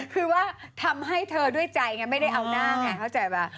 คือว่าทำให้เธอด้วยใจไงไม่ได้เอาหน้าไงเข้าใจป่ะ